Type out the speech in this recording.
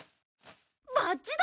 バッジだ！